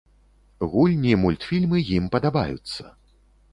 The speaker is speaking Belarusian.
Гульні, мультфільмы ім падабаюцца.